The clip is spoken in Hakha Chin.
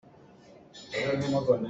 Ka mit a ka keu.